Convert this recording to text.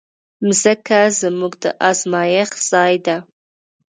مځکه زموږ د ازمېښت ځای ده.